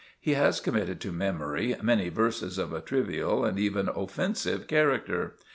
He has committed to memory many verses of a trivial and even offensive character.